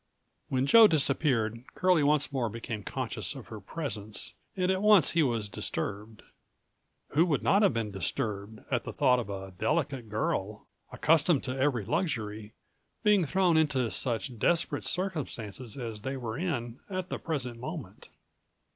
When Joe disappeared, Curlie once more became conscious of her presence and at once he was disturbed. Who would not have been disturbed at the thought of a delicate girl, accustomed to every luxury, being thrown into such desperate circumstances as they were in at the present moment.